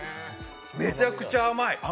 めちゃくちゃ甘い！